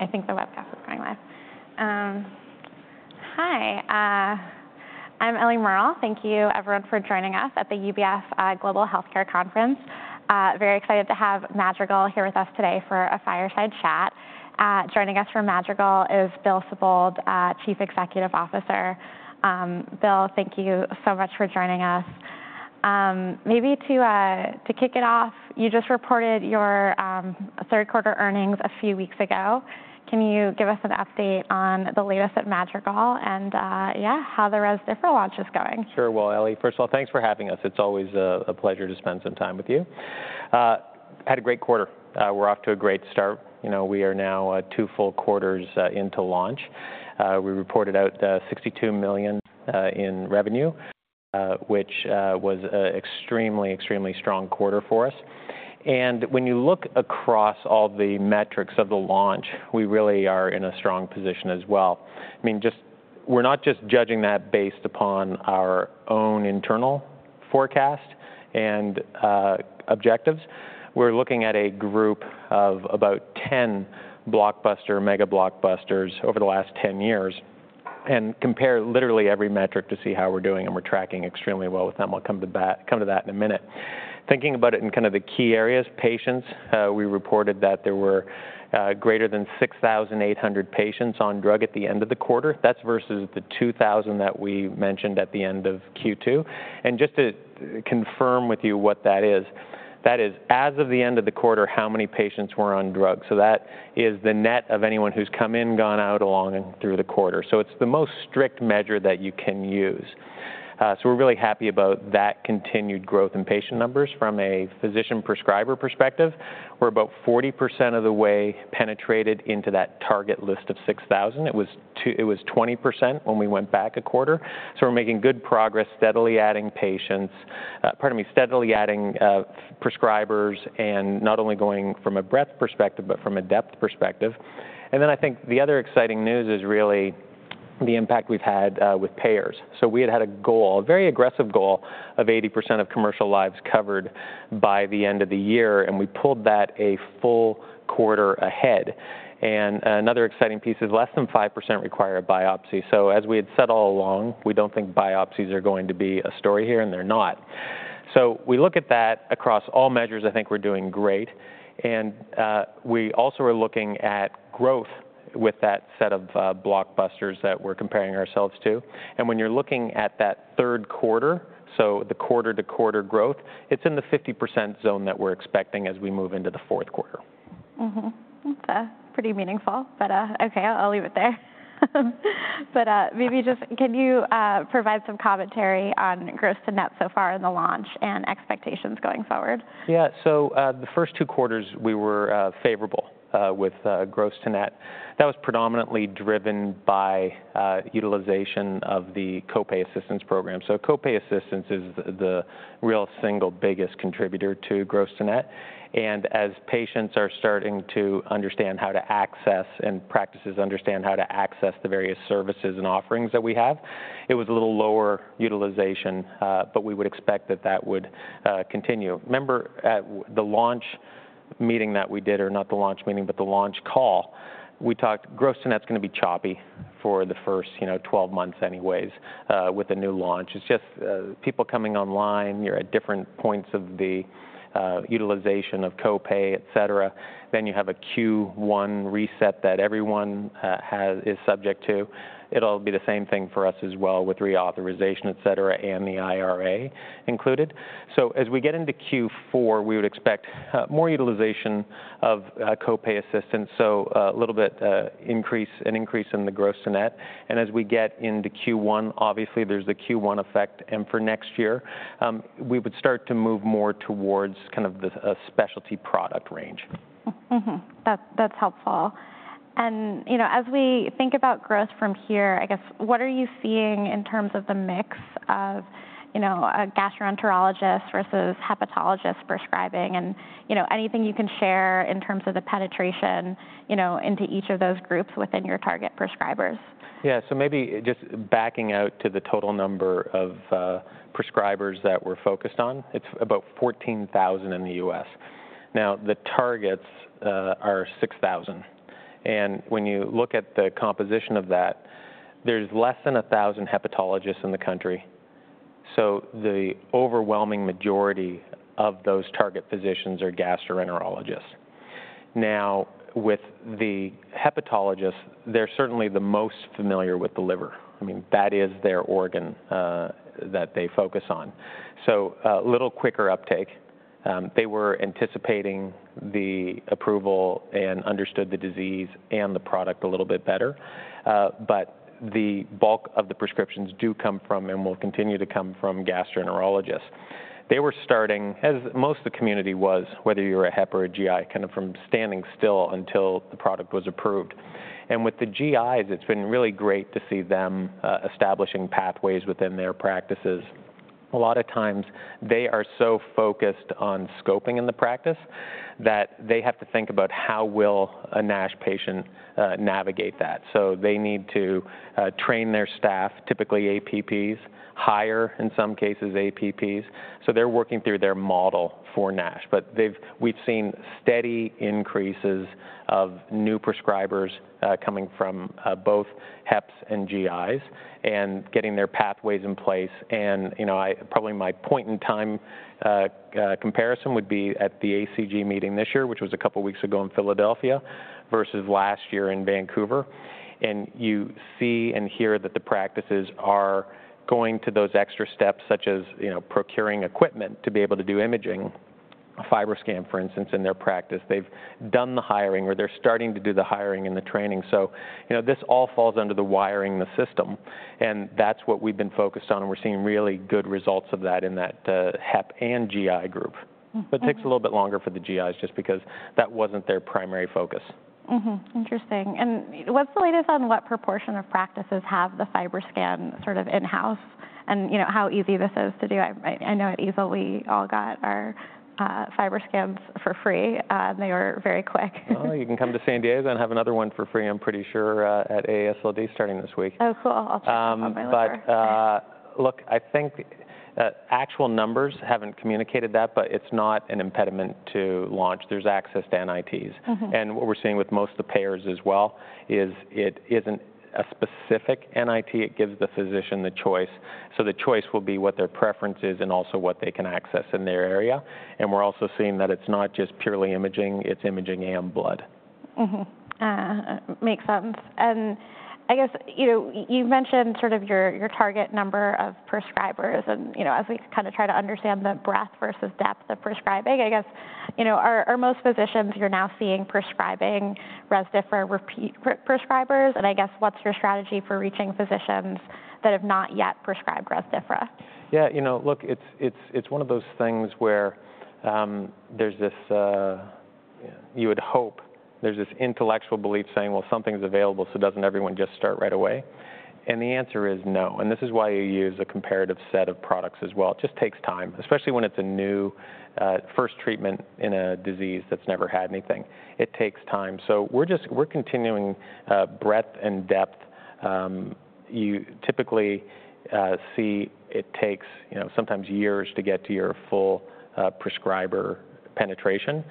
I think the webcast is going live. Hi, I'm Ellie Merle. Thank you, everyone, for joining us at the UBS Global Healthcare Conference. Very excited to have Madrigal here with us today for a fireside chat. Joining us from Madrigal is Bill Sibold, Chief Executive Officer. Bill, thank you so much for joining us. Maybe to kick it off, you just reported your Q3 earnings a few weeks ago. Can you give us an update on the latest at Madrigal and, yeah, how the Rezdiffra launch is going? Sure. Well, Ellie, first of all, thanks for having us. It's always a pleasure to spend some time with you. Had a great quarter. We're off to a great start. We are now two full quarters into launch. We reported out $62 million in revenue, which was an extremely, extremely strong quarter for us. And when you look across all the metrics of the launch, we really are in a strong position as well. I mean, just we're not just judging that based upon our own internal forecast and objectives. We're looking at a group of about 10 blockbuster mega blockbusters over the last 10 years and compare literally every metric to see how we're doing. And we're tracking extremely well with them. We'll come to that in a minute. Thinking about it in kind of the key areas, patients, we reported that there were greater than 6,800 patients on drug at the end of the quarter. That's versus the 2,000 that we mentioned at the end of Q2, and just to confirm with you what that is, that is, as of the end of the quarter, how many patients were on drugs, so that is the net of anyone who's come in, gone out, along through the quarter, so it's the most strict measure that you can use, so we're really happy about that continued growth in patient numbers. From a physician prescriber perspective, we're about 40% of the way penetrated into that target list of 6,000. It was 20% when we went back a quarter. So we're making good progress, steadily adding patients, pardon me, steadily adding prescribers, and not only going from a breadth perspective, but from a depth perspective. And then I think the other exciting news is really the impact we've had with payers. So we had had a goal, a very aggressive goal of 80% of commercial lives covered by the end of the year. And we pulled that a full quarter ahead. And another exciting piece is less than 5% require a biopsy. So as we had said all along, we don't think biopsies are going to be a story here, and they're not. So we look at that across all measures. I think we're doing great. And we also are looking at growth with that set of blockbusters that we're comparing ourselves to. When you're looking at that Q3, so the quarter-to-quarter growth, it's in the 50% zone that we're expecting as we move into the Q4. That's pretty meaningful. But OK, I'll leave it there. But maybe just can you provide some commentary on gross to net so far in the launch and expectations going forward? Yeah. So the first two quarters, we were favorable with gross to net. That was predominantly driven by utilization of the copay assistance program. So copay assistance is the real single biggest contributor to gross to net. And as patients are starting to understand how to access and practices understand how to access the various services and offerings that we have, it was a little lower utilization. But we would expect that that would continue. Remember the launch meeting that we did, or not the launch meeting, but the launch call, we talked gross to net's going to be choppy for the first 12 months anyways with the new launch. It's just people coming online. You're at different points of the utilization of copay, et cetera. Then you have a Q1 reset that everyone is subject to. It'll be the same thing for us as well with reauthorization, et cetera, and the IRA included. So as we get into Q4, we would expect more utilization of copay assistance, so a little bit increase in the gross to net. And as we get into Q1, obviously, there's the Q1 effect. And for next year, we would start to move more towards kind of the specialty product range. That's helpful, and as we think about growth from here, I guess, what are you seeing in terms of the mix of gastroenterologists versus hepatologists prescribing, and anything you can share in terms of the penetration into each of those groups within your target prescribers? Yeah, so maybe just backing out to the total number of prescribers that we're focused on, it's about 14,000 in the U.S. Now, the targets are 6,000, and when you look at the composition of that, there's less than 1,000 hepatologists in the country, so the overwhelming majority of those target physicians are gastroenterologists. Now, with the hepatologists, they're certainly the most familiar with the liver. I mean, that is their organ that they focus on, so a little quicker uptake. They were anticipating the approval and understood the disease and the product a little bit better, but the bulk of the prescriptions do come from and will continue to come from gastroenterologists. They were starting, as most of the community was, whether you were a hep or a GI, kind of from standing still until the product was approved. With the GIs, it's been really great to see them establishing pathways within their practices. A lot of times, they are so focused on scoping in the practice that they have to think about how will a NASH patient navigate that. So they need to train their staff, typically APPs, hire in some cases APPs. So they're working through their model for NASH. But we've seen steady increases of new prescribers coming from both heps and GIs and getting their pathways in place. Probably my point in time comparison would be at the ACG meeting this year, which was a couple of weeks ago in Philadelphia, versus last year in Vancouver. You see and hear that the practices are going to those extra steps, such as procuring equipment to be able to do imaging, a FibroScan, for instance, in their practice. They've done the hiring, or they're starting to do the hiring and the training, so this all falls under the wiring in the system, and that's what we've been focused on, and we're seeing really good results of that in that hep and GI group, but it takes a little bit longer for the GIs just because that wasn't their primary focus. Interesting. And what's the latest on what proportion of practices have the FibroScan sort of in-house? And how easy this is to do? I know at EASL we all got our FibroScans for free. They were very quick. Oh, you can come to San Diego and have another one for free, I'm pretty sure, at AASLD starting this week. Oh, cool. I'll check that out. But look, I think actual numbers haven't communicated that, but it's not an impediment to launch. There's access to NITs. And what we're seeing with most of the payers as well is it isn't a specific NIT. It gives the physician the choice. So the choice will be what their preference is and also what they can access in their area. And we're also seeing that it's not just purely imaging. It's imaging and blood. Makes sense. And I guess you mentioned sort of your target number of prescribers. And as we kind of try to understand the breadth versus depth of prescribing, I guess, are most physicians you're now seeing prescribing Rezdiffra repeat prescribers? And I guess, what's your strategy for reaching physicians that have not yet prescribed Rezdiffra? Yeah. You know, look, it's one of those things where there's this, you would hope there's this intellectual belief saying, well, something's available, so doesn't everyone just start right away? And the answer is no. And this is why you use a comparative set of products as well. It just takes time, especially when it's a new first treatment in a disease that's never had anything. It takes time. So we're continuing breadth and depth. You typically see it takes sometimes years to get to your full prescriber penetration.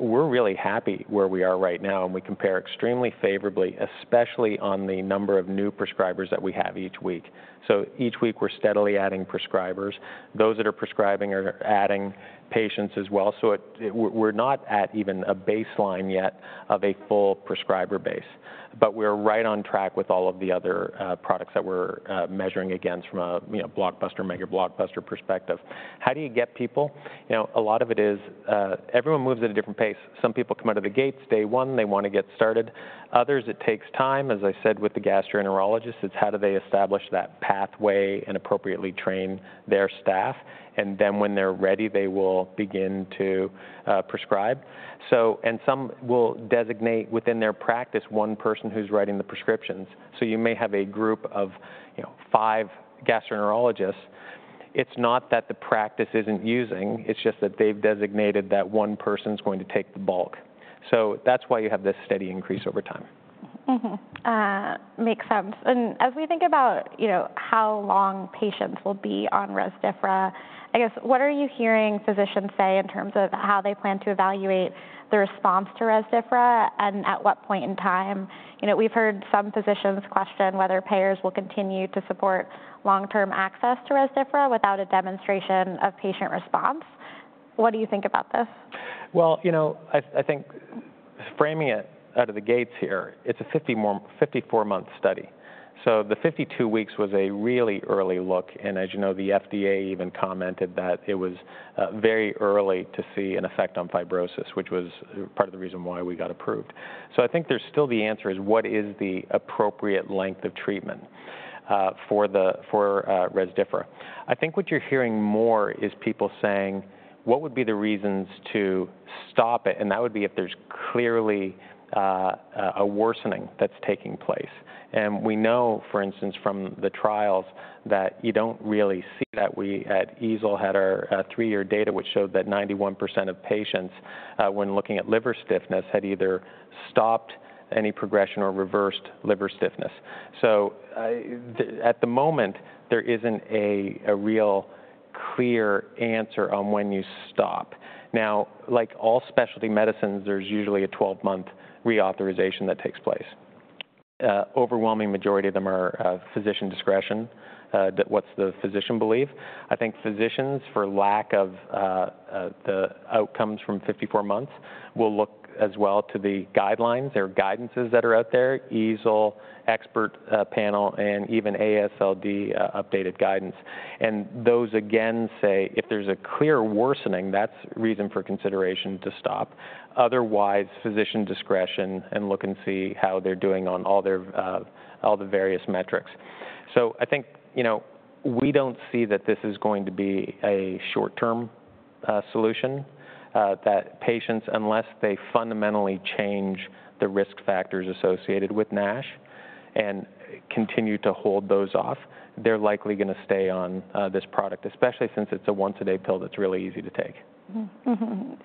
We're really happy where we are right now. And we compare extremely favorably, especially on the number of new prescribers that we have each week. So each week, we're steadily adding prescribers. Those that are prescribing are adding patients as well. So we're not at even a baseline yet of a full prescriber base. We're right on track with all of the other products that we're measuring against from a blockbuster, mega blockbuster perspective. How do you get people? A lot of it is everyone moves at a different pace. Some people come out of the gates day one. They want to get started. Others, it takes time. As I said, with the gastroenterologists, it's how do they establish that pathway and appropriately train their staff. Then when they're ready, they will begin to prescribe. Some will designate within their practice one person who's writing the prescriptions. You may have a group of five gastroenterologists. It's not that the practice isn't using. It's just that they've designated that one person's going to take the bulk. That's why you have this steady increase over time. Makes sense, and as we think about how long patients will be on Rezdiffra, I guess, what are you hearing physicians say in terms of how they plan to evaluate the response to Rezdiffra and at what point in time? We've heard some physicians question whether payers will continue to support long-term access to Rezdiffra without a demonstration of patient response. What do you think about this? You know, I think framing it out of the gates here, it's a 54-month study. So the 52 weeks was a really early look. And as you know, the FDA even commented that it was very early to see an effect on fibrosis, which was part of the reason why we got approved. So I think there's still the answer is what is the appropriate length of treatment for Rezdiffra? I think what you're hearing more is people saying, what would be the reasons to stop it? And that would be if there's clearly a worsening that's taking place. And we know, for instance, from the trials that you don't really see that. We at EASL had our three-year data, which showed that 91% of patients, when looking at liver stiffness, had either stopped any progression or reversed liver stiffness. So at the moment, there isn't a real clear answer on when you stop. Now, like all specialty medicines, there's usually a 12-month reauthorization that takes place. The overwhelming majority of them are physician discretion. What's the physician belief? I think physicians, for lack of the outcomes from 54 months, will look as well to the guidelines. There are guidances that are out there, EASL, expert panel, and even AASLD updated guidance. And those, again, say if there's a clear worsening, that's reason for consideration to stop. Otherwise, physician discretion and look and see how they're doing on all the various metrics. So, I think we don't see that this is going to be a short-term solution, that patients, unless they fundamentally change the risk factors associated with NASH and continue to hold those off, they're likely going to stay on this product, especially since it's a once-a-day pill that's really easy to take.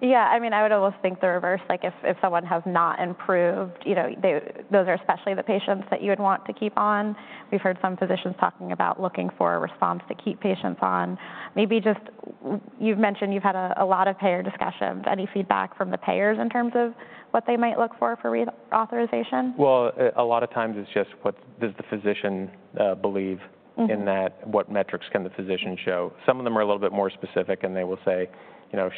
Yeah. I mean, I would almost think the reverse. Like if someone has not improved, those are especially the patients that you would want to keep on. We've heard some physicians talking about looking for a response to keep patients on. Maybe just you've mentioned you've had a lot of payer discussions. Any feedback from the payers in terms of what they might look for for reauthorization? A lot of times, it's just what does the physician believe in that? What metrics can the physician show? Some of them are a little bit more specific. And they will say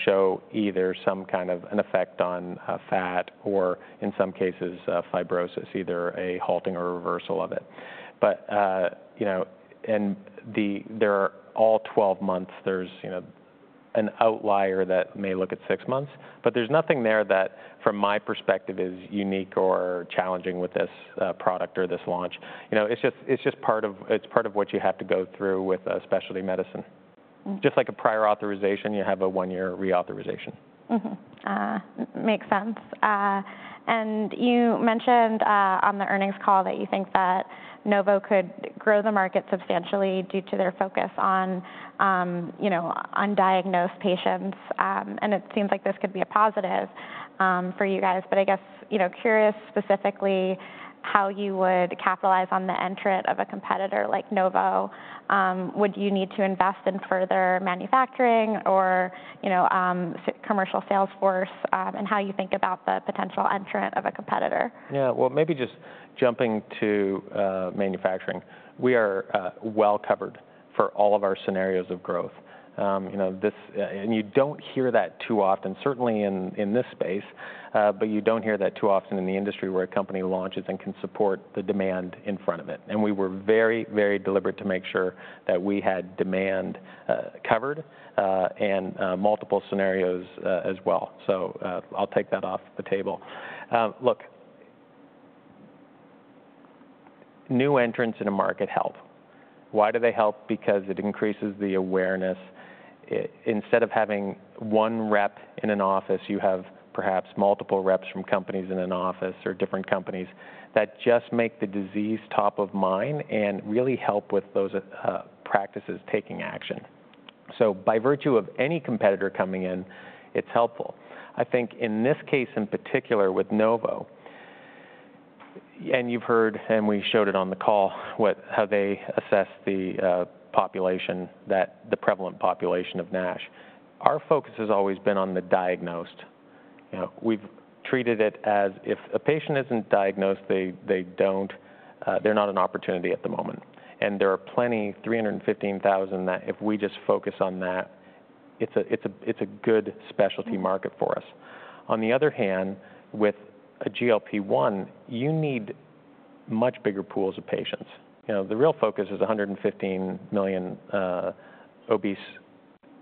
show either some kind of an effect on fat or, in some cases, fibrosis, either a halting or reversal of it. And there are all 12 months. There's an outlier that may look at six months. But there's nothing there that, from my perspective, is unique or challenging with this product or this launch. It's just part of what you have to go through with a specialty medicine. Just like a prior authorization, you have a one-year reauthorization. Makes sense. And you mentioned on the earnings call that you think that Novo could grow the market substantially due to their focus on undiagnosed patients. And it seems like this could be a positive for you guys. But I guess curious specifically how you would capitalize on the entry of a competitor like Novo. Would you need to invest in further manufacturing or commercial sales force? And how do you think about the potential entry of a competitor? Yeah. Well, maybe just jumping to manufacturing, we are well covered for all of our scenarios of growth. And you don't hear that too often, certainly in this space. But you don't hear that too often in the industry where a company launches and can support the demand in front of it. And we were very, very deliberate to make sure that we had demand covered and multiple scenarios as well. So I'll take that off the table. Look, new entrants in a market help. Why do they help? Because it increases the awareness. Instead of having one rep in an office, you have perhaps multiple reps from companies in an office or different companies that just make the disease top of mind and really help with those practices taking action. So by virtue of any competitor coming in, it's helpful. I think in this case in particular with Novo, and you've heard, and we showed it on the call, how they assess the population, the prevalent population of NASH. Our focus has always been on the diagnosed. We've treated it as if a patient isn't diagnosed, they're not an opportunity at the moment. And there are plenty, 315,000, that if we just focus on that, it's a good specialty market for us. On the other hand, with a GLP-1, you need much bigger pools of patients. The real focus is 115 million obese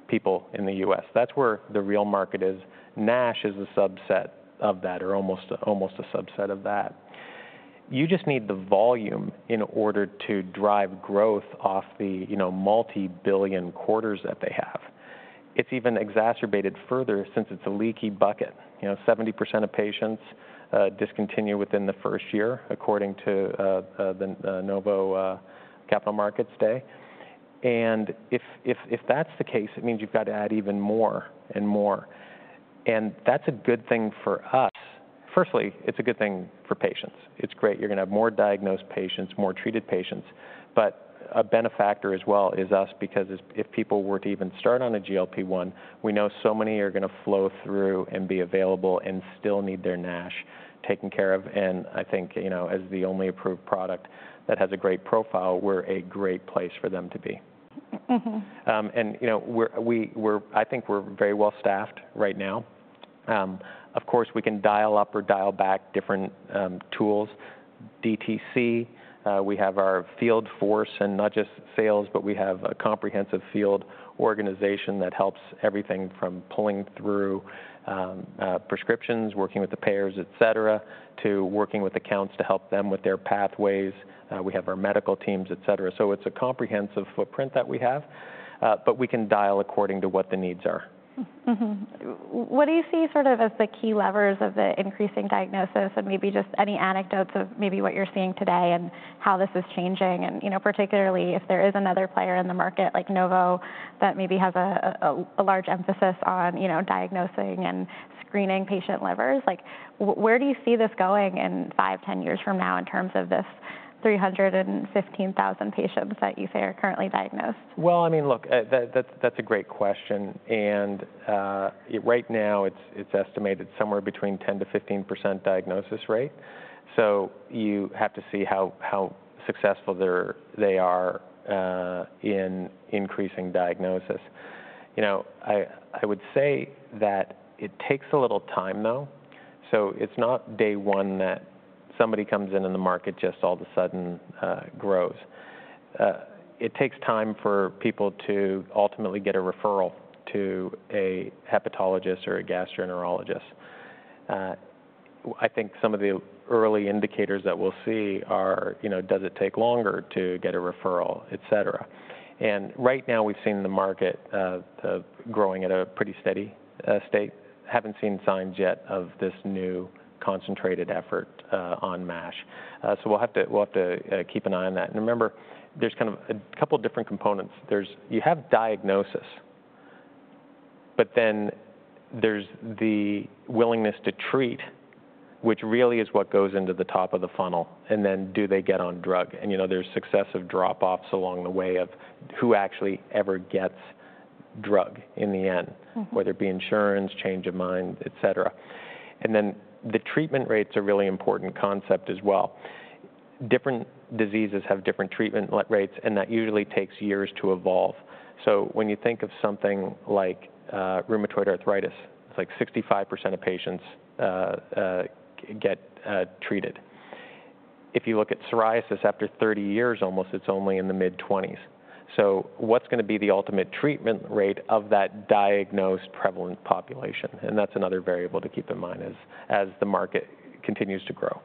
people in the U.S. That's where the real market is. NASH is a subset of that, or almost a subset of that. You just need the volume in order to drive growth off the multi-billion quarters that they have. It's even exacerbated further since it's a leaky bucket. 70% of patients discontinue within the first year, according to the Novo capital markets day. And if that's the case, it means you've got to add even more and more. And that's a good thing for us. Firstly, it's a good thing for patients. It's great. You're going to have more diagnosed patients, more treated patients. But a benefactor as well is us because if people were to even start on a GLP-1, we know so many are going to flow through and be available and still need their NASH taken care of. And I think as the only approved product that has a great profile, we're a great place for them to be. And I think we're very well staffed right now. Of course, we can dial up or dial back different tools. DTC, we have our field force and not just sales, but we have a comprehensive field organization that helps everything from pulling through prescriptions, working with the payers, et cetera, to working with accounts to help them with their pathways. We have our medical teams, et cetera. So it's a comprehensive footprint that we have. But we can dial according to what the needs are. What do you see sort of as the key levers of the increasing diagnosis and maybe just any anecdotes of maybe what you're seeing today and how this is changing? And particularly if there is another player in the market like Novo that maybe has a large emphasis on diagnosing and screening patient livers, where do you see this going in five, 10 years from now in terms of this 315,000 patients that you say are currently diagnosed? Well, I mean, look, that's a great question. And right now, it's estimated somewhere between 10%-15% diagnosis rate. So you have to see how successful they are in increasing diagnosis. I would say that it takes a little time, though. So it's not day one that somebody comes in and the market just all of a sudden grows. It takes time for people to ultimately get a referral to a hepatologist or a gastroenterologist. I think some of the early indicators that we'll see are, does it take longer to get a referral, et cetera. And right now, we've seen the market growing at a pretty steady state. Haven't seen signs yet of this new concentrated effort on MASH. So we'll have to keep an eye on that. And remember, there's kind of a couple of different components. You have diagnosis. But then there's the willingness to treat, which really is what goes into the top of the funnel. And then do they get on drug? And there's successive drop-offs along the way of who actually ever gets drug in the end, whether it be insurance, change of mind, et cetera. And then the treatment rates are a really important concept as well. Different diseases have different treatment rates. And that usually takes years to evolve. So when you think of something like rheumatoid arthritis, it's like 65% of patients get treated. If you look at psoriasis, after 30 years, almost, it's only in the mid-20s. So what's going to be the ultimate treatment rate of that diagnosed prevalent population? And that's another variable to keep in mind as the market continues to grow.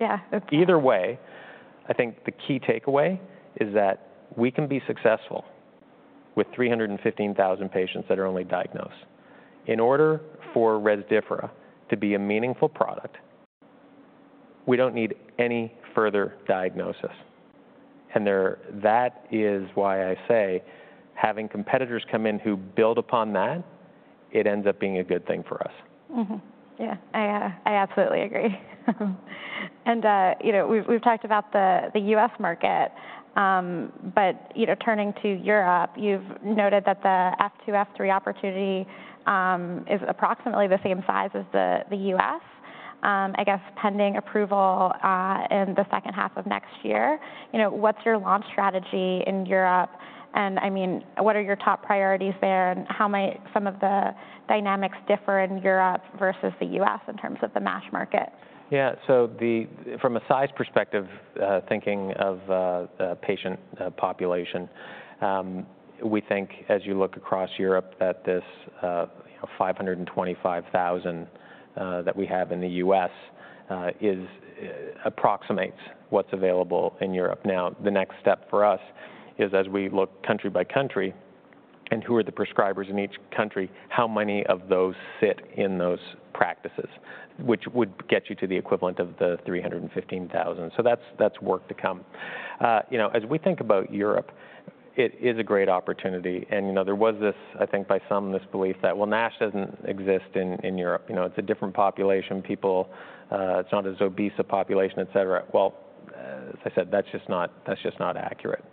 Yeah. Either way, I think the key takeaway is that we can be successful with 315,000 patients that are only diagnosed. In order for Rezdiffra to be a meaningful product, we don't need any further diagnosis, and that is why I say having competitors come in who build upon that, it ends up being a good thing for us. Yeah. I absolutely agree. And we've talked about the U.S. market. But turning to Europe, you've noted that the F2, F3 opportunity is approximately the same size as the U.S., I guess, pending approval in the second half of next year. What's your launch strategy in Europe? And I mean, what are your top priorities there? And how might some of the dynamics differ in Europe versus the U.S. in terms of the MASH market? Yeah. So from a size perspective, thinking of patient population, we think as you look across Europe that this 525,000 that we have in the U.S. approximates what's available in Europe. Now, the next step for us is as we look country by country and who are the prescribers in each country, how many of those sit in those practices, which would get you to the equivalent of the 315,000. So that's work to come. As we think about Europe, it is a great opportunity, and there was this, I think, by some misbelief that, well, NASH doesn't exist in Europe. It's a different population. It's not as obese a population, et cetera. Well, as I said, that's just not accurate.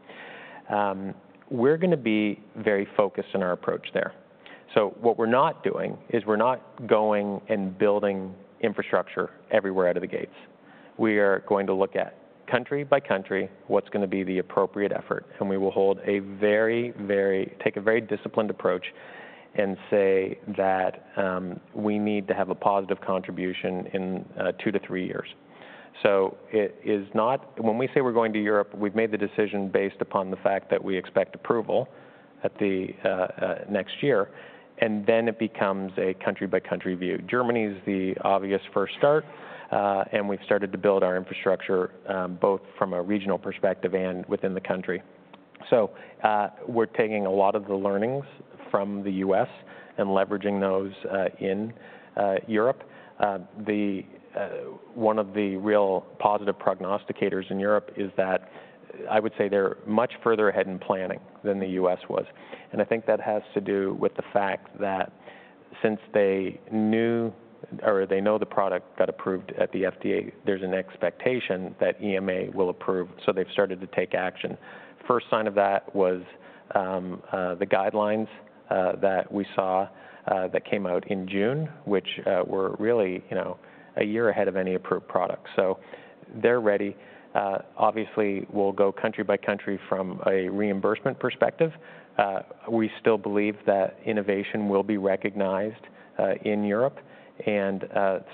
We're going to be very focused in our approach there. So what we're not doing is we're not going and building infrastructure everywhere out of the gates. We are going to look at country by country what's going to be the appropriate effort. We will take a very, very disciplined approach and say that we need to have a positive contribution in two to three years. It is not when we say we're going to Europe; we've made the decision based upon the fact that we expect approval next year. Then it becomes a country-by-country view. Germany is the obvious first start. We've started to build our infrastructure both from a regional perspective and within the country. We're taking a lot of the learnings from the U.S. and leveraging those in Europe. One of the real positive prognosticators in Europe is that I would say they're much further ahead in planning than the U.S. was. And I think that has to do with the fact that since they knew or they know the product got approved at the FDA, there's an expectation that EMA will approve. So they've started to take action. First sign of that was the guidelines that we saw that came out in June, which were really a year ahead of any approved product. So they're ready. Obviously, we'll go country by country from a reimbursement perspective. We still believe that innovation will be recognized in Europe. And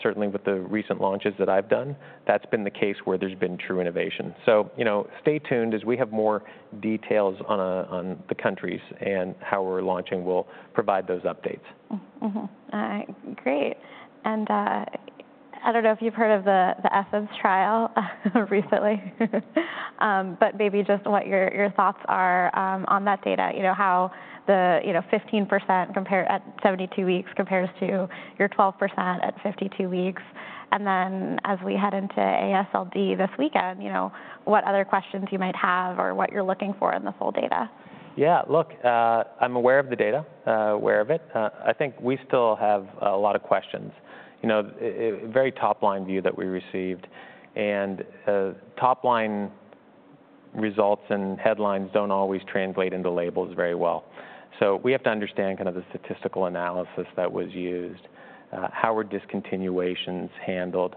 certainly, with the recent launches that I've done, that's been the case where there's been true innovation. So stay tuned as we have more details on the countries and how we're launching. We'll provide those updates. Great, and I don't know if you've heard of the ESSENCE trial recently. But maybe just what your thoughts are on that data, how the 15% at 72 weeks compares to your 12% at 52 weeks. And then as we head into AASLD this weekend, what other questions you might have or what you're looking for in the full data? Yeah. Look, I'm aware of the data, aware of it. I think we still have a lot of questions. Very top-line view that we received. And top-line results and headlines don't always translate into labels very well. So we have to understand kind of the statistical analysis that was used, how were discontinuations handled,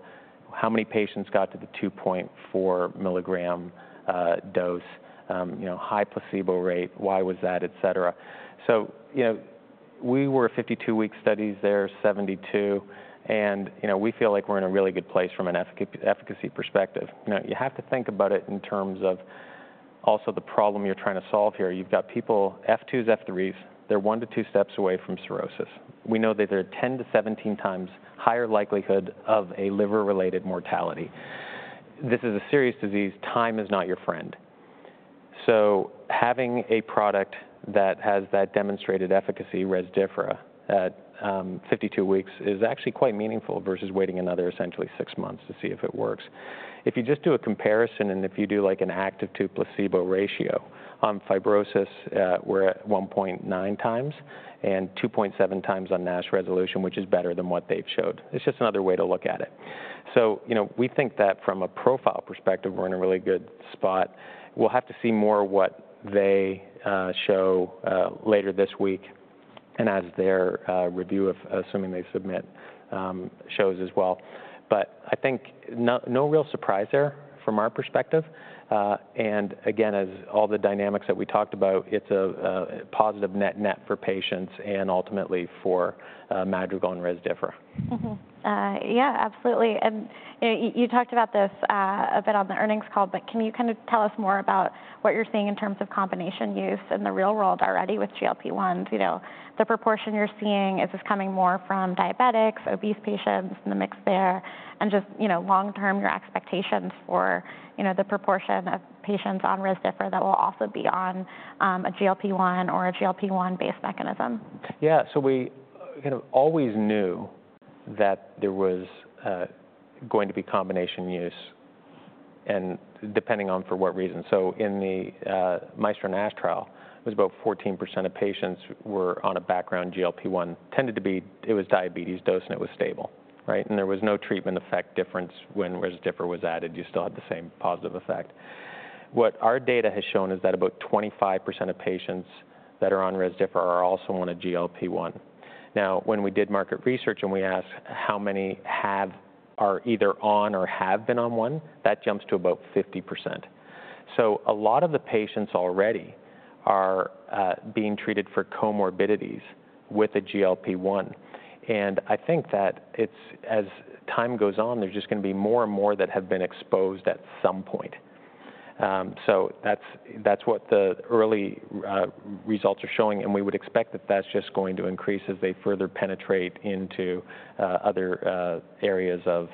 how many patients got to the 2.4 milligram dose, high placebo rate, why was that, et cetera. So we were 52-week studies there, 72. And we feel like we're in a really good place from an efficacy perspective. You have to think about it in terms of also the problem you're trying to solve here. You've got people, F2s, F3s, they're one to two steps away from cirrhosis. We know that they're 10-17 times higher likelihood of a liver-related mortality. This is a serious disease. Time is not your friend. So having a product that has that demonstrated efficacy, Rezdiffra at 52 weeks, is actually quite meaningful versus waiting another essentially six months to see if it works. If you just do a comparison and if you do like an active to placebo ratio, on fibrosis, we're at 1.9 times and 2.7 times on NASH resolution, which is better than what they've showed. It's just another way to look at it. So we think that from a profile perspective, we're in a really good spot. We'll have to see more what they show later this week and as their review of assuming they submit shows as well. But I think no real surprise there from our perspective. And again, as all the dynamics that we talked about, it's a positive net-net for patients and ultimately for Madrigal and Rezdiffra. Yeah, absolutely. And you talked about this a bit on the earnings call. But can you kind of tell us more about what you're seeing in terms of combination use in the real world already with GLP-1s? The proportion you're seeing, is this coming more from diabetics, obese patients, the mix there? And just long-term, your expectations for the proportion of patients on Rezdiffra that will also be on a GLP-1 or a GLP-1-based mechanism? Yeah. So we kind of always knew that there was going to be combination use and depending on for what reason. So in the MAESTRO-NASH trial, it was about 14% of patients were on a background GLP-1. Tended to be it was diabetes dose and it was stable. And there was no treatment effect difference when Rezdiffra was added. You still had the same positive effect. What our data has shown is that about 25% of patients that are on Rezdiffra are also on a GLP-1. Now, when we did market research and we asked how many are either on or have been on one, that jumps to about 50%. So a lot of the patients already are being treated for comorbidities with a GLP-1. And I think that as time goes on, there's just going to be more and more that have been exposed at some point. So that's what the early results are showing. And we would expect that that's just going to increase as they further penetrate into other areas of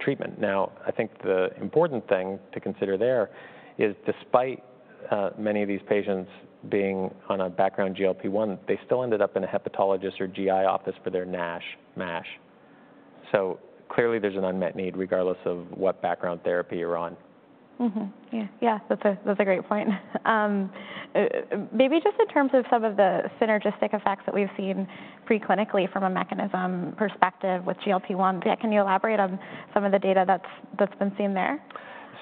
treatment. Now, I think the important thing to consider there is despite many of these patients being on a background GLP-1, they still ended up in a hepatologist or GI office for their NASH, MASH. So clearly, there's an unmet need regardless of what background therapy you're on. Yeah. Yeah, that's a great point. Maybe just in terms of some of the synergistic effects that we've seen preclinically from a mechanism perspective with GLP-1, can you elaborate on some of the data that's been seen there?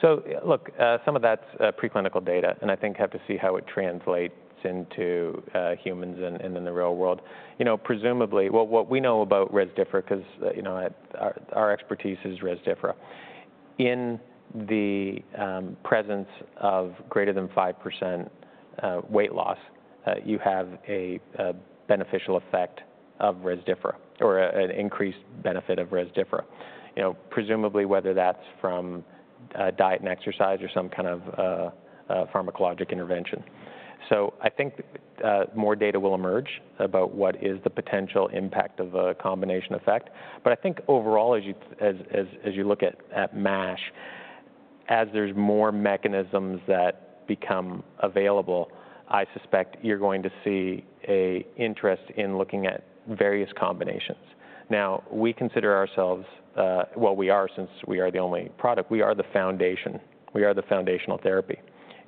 So look, some of that's preclinical data. And I think have to see how it translates into humans and in the real world. Presumably, well, what we know about Rezdiffra, because our expertise is Rezdiffra, in the presence of greater than 5% weight loss, you have a beneficial effect of Rezdiffra or an increased benefit of Rezdiffra, presumably whether that's from diet and exercise or some kind of pharmacologic intervention. So I think more data will emerge about what is the potential impact of a combination effect. But I think overall, as you look at MASH, as there's more mechanisms that become available, I suspect you're going to see an interest in looking at various combinations. Now, we consider ourselves, well, we are since we are the only product, we are the foundation. We are the foundational therapy.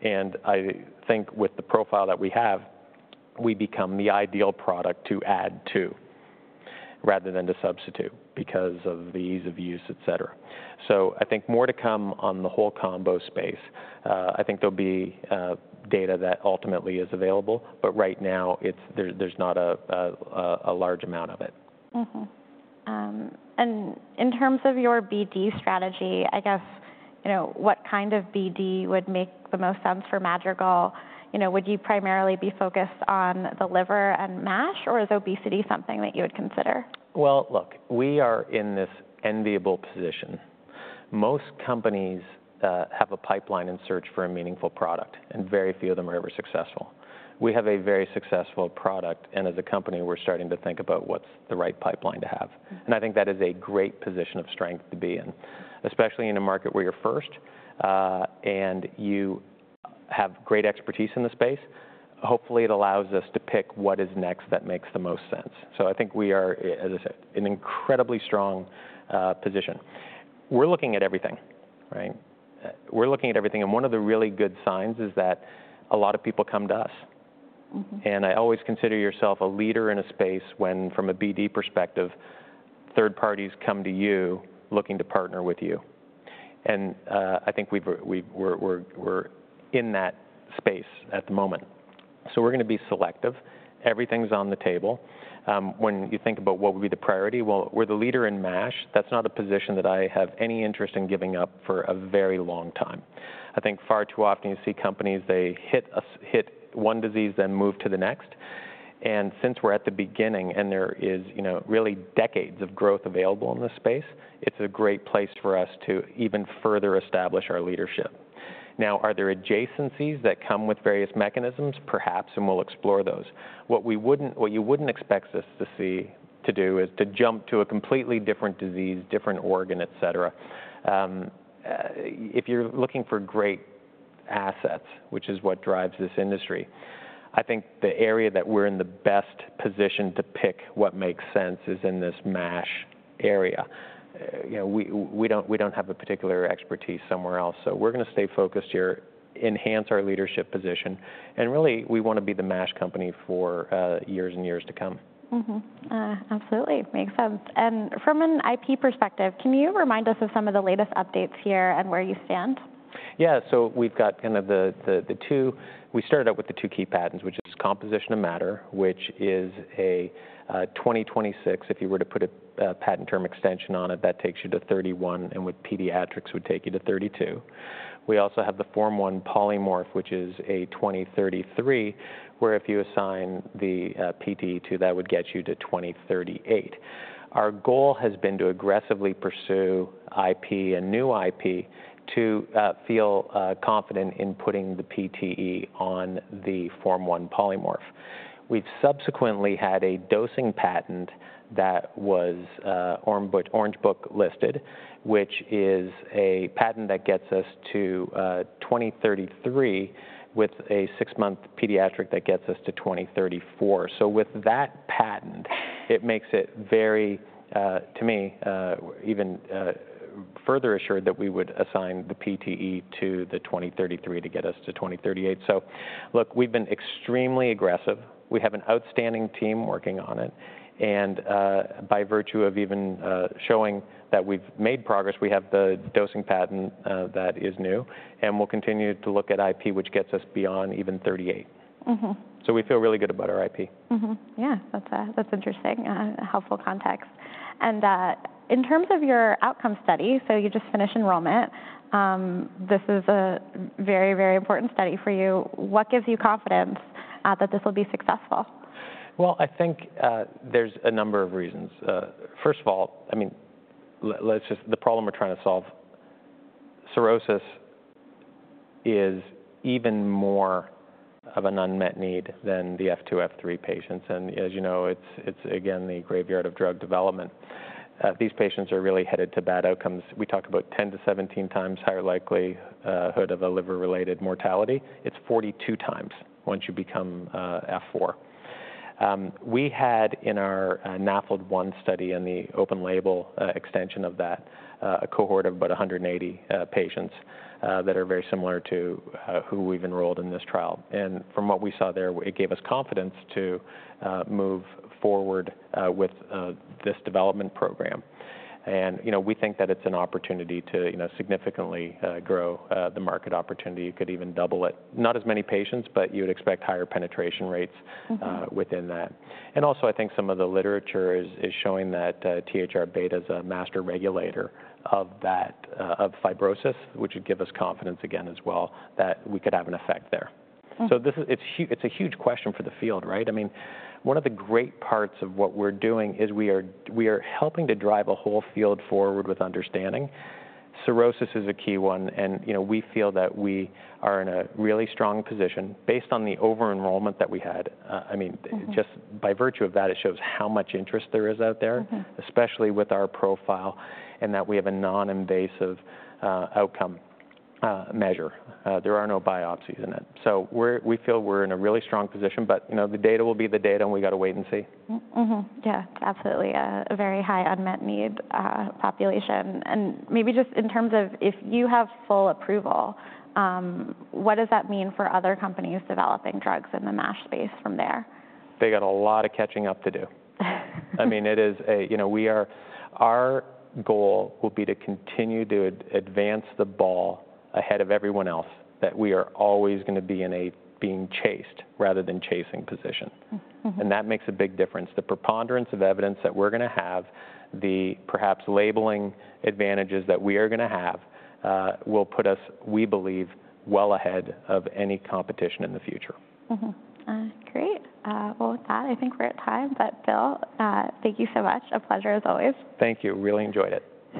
I think with the profile that we have, we become the ideal product to add to rather than to substitute because of the ease of use, et cetera. I think more to come on the whole combo space. I think there'll be data that ultimately is available. Right now, there's not a large amount of it. And in terms of your BD strategy, I guess what kind of BD would make the most sense for Madrigal? Would you primarily be focused on the liver and MASH? Or is obesity something that you would consider? Well, look, we are in this enviable position. Most companies have a pipeline in search for a meaningful product. And very few of them are ever successful. We have a very successful product. And as a company, we're starting to think about what's the right pipeline to have. And I think that is a great position of strength to be in, especially in a market where you're first and you have great expertise in the space. Hopefully, it allows us to pick what is next that makes the most sense. So I think we are, as I said, in an incredibly strong position. We're looking at everything. We're looking at everything. And one of the really good signs is that a lot of people come to us. And I always consider yourself a leader in a space when, from a BD perspective, third parties come to you looking to partner with you. And I think we're in that space at the moment. So we're going to be selective. Everything's on the table. When you think about what would be the priority, well, we're the leader in MASH. That's not a position that I have any interest in giving up for a very long time. I think far too often you see companies, they hit one disease, then move to the next. And since we're at the beginning and there is really decades of growth available in this space, it's a great place for us to even further establish our leadership. Now, are there adjacencies that come with various mechanisms? Perhaps. And we'll explore those. What you wouldn't expect us to want to do is to jump to a completely different disease, different organ, et cetera. If you're looking for great assets, which is what drives this industry, I think the area that we're in the best position to pick what makes sense is in this MASH area. We don't have a particular expertise somewhere else. So we're going to stay focused here, enhance our leadership position, and really, we want to be the MASH company for years and years to come. Absolutely. Makes sense. And from an IP perspective, can you remind us of some of the latest updates here and where you stand? Yeah. So we've got kind of the two we started out with the two key patents, which is Composition of Matter, which is a 2026, if you were to put a patent term extension on it, that takes you to 2031. And with pediatrics, it would take you to 2032. We also have the Form I Polymorph, which is a 2033, where if you assign the PTE to, that would get you to 2038. Our goal has been to aggressively pursue IP and new IP to feel confident in putting the PTE on the Form I Polymorph. We've subsequently had a dosing patent that was Orange Book listed, which is a patent that gets us to 2033 with a six-month pediatric that gets us to 2034. So with that patent, it makes it very, to me, even further assured that we would assign the PTE to the 2033 to get us to 2038. So look, we've been extremely aggressive. We have an outstanding team working on it. And by virtue of even showing that we've made progress, we have the dosing patent that is new. And we'll continue to look at IP, which gets us beyond even 38. So we feel really good about our IP. Yeah, that's interesting. Helpful context and in terms of your outcome study, so you just finished enrollment. This is a very, very important study for you. What gives you confidence that this will be successful? I think there's a number of reasons. First of all, I mean, the problem we're trying to solve, cirrhosis, is even more of an unmet need than the F2, F3 patients. And as you know, it's again the graveyard of drug development. These patients are really headed to bad outcomes. We talk about 10-17 times higher likelihood of a liver-related mortality. It's 42 times once you become F4. We had in our NAFLD I study and the open label extension of that, a cohort of about 180 patients that are very similar to who we've enrolled in this trial. And from what we saw there, it gave us confidence to move forward with this development program. And we think that it's an opportunity to significantly grow the market opportunity. You could even double it. Not as many patients, but you would expect higher penetration rates within that. And also, I think some of the literature is showing that THR beta is a master regulator of fibrosis, which would give us confidence again as well that we could have an effect there. So it's a huge question for the field. I mean, one of the great parts of what we're doing is we are helping to drive a whole field forward with understanding. Cirrhosis is a key one. And we feel that we are in a really strong position based on the over-enrollment that we had. I mean, just by virtue of that, it shows how much interest there is out there, especially with our profile and that we have a non-invasive outcome measure. There are no biopsies in it. So we feel we're in a really strong position. But the data will be the data. And we've got to wait and see. Yeah, absolutely. A very high unmet need population. And maybe just in terms of if you have full approval, what does that mean for other companies developing drugs in the MASH space from there? They got a lot of catching up to do. I mean, it is our goal will be to continue to advance the ball ahead of everyone else that we are always going to be in a being chased rather than chasing position, and that makes a big difference. The preponderance of evidence that we're going to have, the perhaps labeling advantages that we are going to have will put us, we believe, well ahead of any competition in the future. Great. Well, with that, I think we're at time. But Phil, thank you so much. A pleasure as always. Thank you. Really enjoyed it.